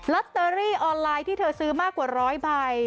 ตเตอรี่ออนไลน์ที่เธอซื้อมากกว่าร้อยใบ